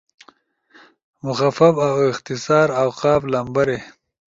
مخفف اؤ اختصار، اوقاف، لمبرے